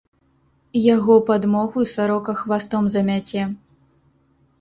Яго падмогу сарока хвастом замяце.